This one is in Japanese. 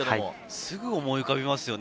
すぐ思い浮かびますよね。